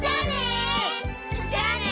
じゃあね！